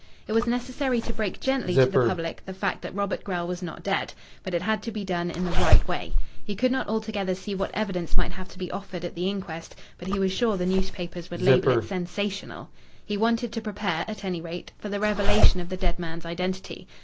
It was necessary to break gently to the public the fact that Robert Grell was not dead. But it had to be done in the right way. He could not altogether see what evidence might have to be offered at the inquest, but he was sure the newspapers would label it "sensational." He wanted to prepare, at any rate, for the revelation of the dead man's identity.